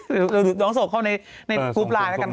หรือน้องส่งเข้าในกรุ๊ปไลน์แล้วกัน